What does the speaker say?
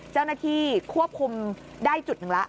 เจ้าหน้าที่ควบคุมได้จุดหนึ่งแล้ว